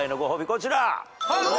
こちら。